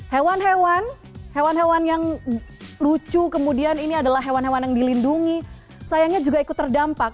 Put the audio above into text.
hewan hewan hewan hewan yang lucu kemudian ini adalah hewan hewan yang dilindungi sayangnya juga ikut terdampak